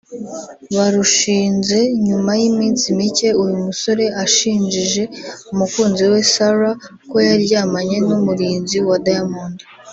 Barushinze nyuma y'iminsi mike uyu musore ashinjije umukunzi we Sarah ko yaryamanye n'umurinzi wa Diamond